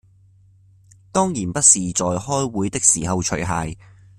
當然不是在開會的時候除鞋